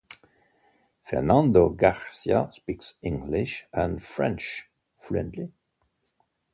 Fernando Garcia speaks English and French fluently.